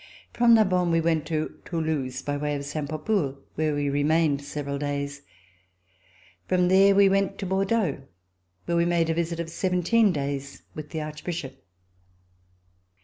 From Narbonne, we went to Toulouse, by way of Saint Papoul, where we remained several days. From there we went to Bordeaux, where we made a visit of seventeen days with the Archbishop.